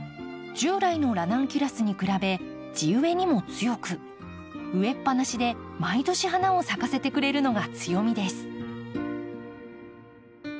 従来のラナンキュラスに比べ地植えにも強く植えっぱなしで毎年花を咲かせてくれるのが強みです。